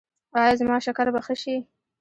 ایا زما شکر به ښه شي؟